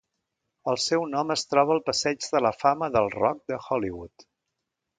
El seu nom es troba al Passeig de la fama del rock de Hollywood.